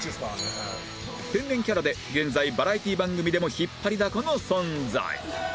天然キャラで現在バラエティー番組でも引っ張りだこの存在